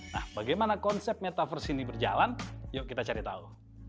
nah bagaimana konsep metaverse ini berjalan yuk kita cari tahu